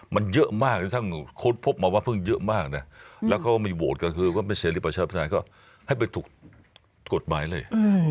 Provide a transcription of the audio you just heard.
มันเยอะมากถ้ามันค้นพบมาว่าเพิ่งเยอะมากนะแล้วก็มีโหวตกันคือว่าไม่เสียริปัชฌาปัชฌาก็ให้ไปถูกกฎหมายเลย